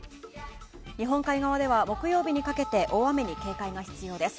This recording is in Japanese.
日本海側では木曜日にかけて大雨に警戒が必要です。